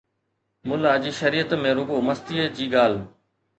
ملا جي شريعت ۾ رڳو مستيءَ جي ڳالهه